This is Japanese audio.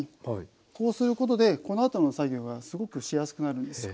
こうすることでこのあとの作業がすごくしやすくなるんですよ。